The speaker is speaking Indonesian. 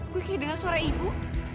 gue kayak dengar suara ibu